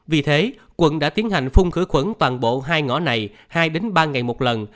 vì thế quận đã tiến hành phun khử khuẩn toàn bộ hai ngõ này hai ba ngày một lần